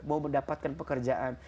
mau mendapatkan pekerjaan